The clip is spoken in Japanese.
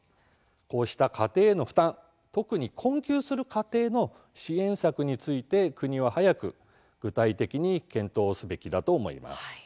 こうした家庭への負担特に困窮する家庭の支援策について国は早く具体的に検討すべきだと思います。